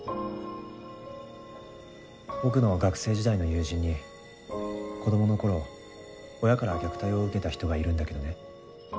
僕の学生時代の友人に子供の頃親から虐待を受けた人がいるんだけどね。